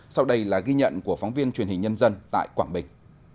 sau đây là ghi nhận của phóng viên truyền hình nhân dân tại quảng bình